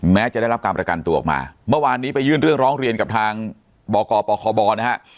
แม้จะได้รับการประกันตัวออกมาเมื่อวานนี้ไปยื่นเรื่องร้องเรียนกับทางบกปคบนะฮะ